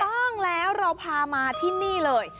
ต้องแล้วเราพามาที่นี่เลย